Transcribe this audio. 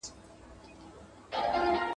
چي په هغوی کي به ګڼ شمېر داسي وې